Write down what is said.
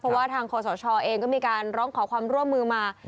เพราะว่าทางคอสชเองก็มีการร้องขอความร่วมมือมา